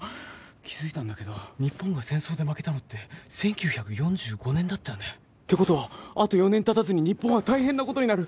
気付いたんだけど日本が戦争で負けたのって１９４５年だったよね。ってことはあと４年たたずに日本は大変なことになる。